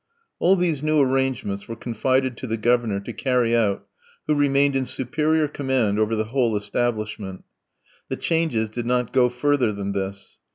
All these new arrangements were confided to the Governor to carry out, who remained in superior command over the whole establishment. The changes did not go further than this.